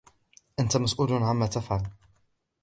أنت مسؤول عمّا تفعل.